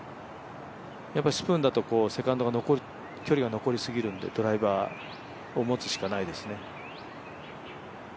スプーンだとセカンドの距離が残りすぎるんで、ドライバーを持つしかないですね。